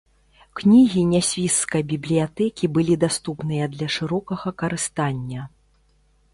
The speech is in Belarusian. Кнігі нясвіжскай бібліятэкі былі даступныя для шырокага карыстання.